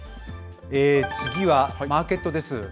次はマーケットです。